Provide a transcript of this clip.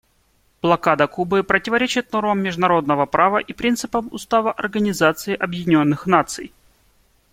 Блокада Кубы противоречит нормам международного права и принципам Устава Организации Объединенных Наций.